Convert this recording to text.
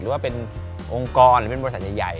ว่าเป็นองค์กรหรือเป็นบริษัทใหญ่